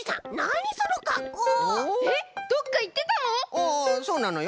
ああそうなのよ。